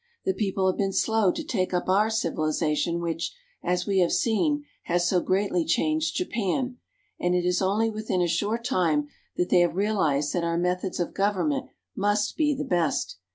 The people have been slow to take up our civilization which, as we have seen, has so greatly changed Japan ; and it is only within a short time that they have realized that our methods of govern ment must be the best.